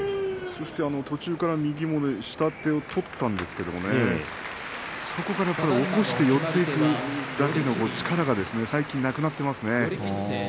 そして途中から右の下手を取ったんですがそこから多分、起こして寄っていくだけの力が最近なくなっていますね。